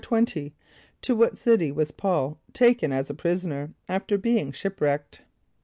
= =20.= To what city was P[a:]ul taken as a prisoner after being shipwrecked?